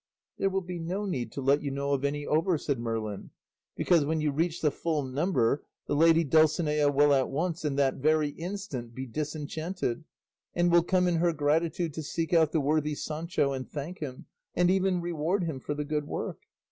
"There will be no need to let you know of any over," said Merlin, "because, when you reach the full number, the lady Dulcinea will at once, and that very instant, be disenchanted, and will come in her gratitude to seek out the worthy Sancho, and thank him, and even reward him for the good work.